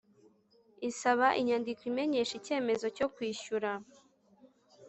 isaba inyandiko imenyesha icyemezo cyokwishyura